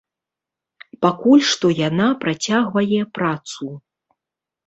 Пакуль што яна працягвае працу.